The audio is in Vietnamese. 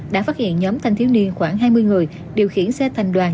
đã phát hiện nhóm thanh thiếu niên khoảng hai mươi người điều khiển xe thành đoàn